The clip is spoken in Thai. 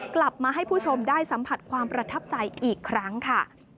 กลับมาให้ผู้ชมได้สัมผัสความประทับใจอีกครั้งค่ะ